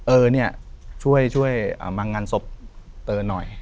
เออเนี่ยช่วยช่วยมางานศพเตอร์หน่อย